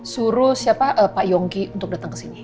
suruh siapa pak yongki untuk dateng kesini